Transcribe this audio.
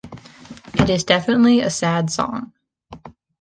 It is definitely a sad song.